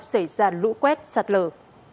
xảy ra lũ quét sạt lờ